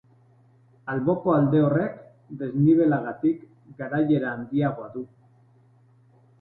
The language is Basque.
Alboko alde horrek, desnibelagatik, garaiera handiagoa du.